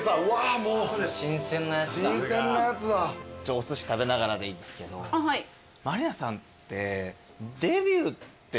おすし食べながらでいいんですけど満里奈さんって。